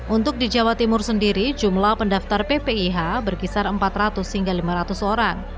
untuk di jawa timur sendiri jumlah pendaftar ppih berkisar empat ratus hingga lima ratus orang